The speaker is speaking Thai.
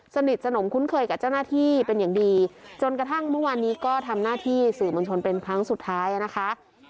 สนิทสนมคุ้นเคยกับเจ้าหน้าที่เป็นอย่างดีจนกระทั่งเมื่อวานนี้ก็ทำหน้าที่สื่อมวลชนเป็นครั้งสุดท้ายนะคะ